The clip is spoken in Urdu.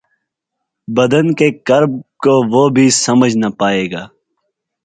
بدن کے کرب کو وہ بھی سمجھ نہ پائے گا